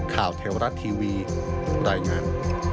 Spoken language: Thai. ข่าวเทวรัฐทีวีรายงาน